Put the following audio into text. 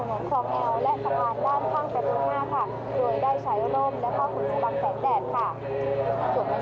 วัดพระธรรมกายผ่านเมืองปรับศักดิ์ภาระค่ะ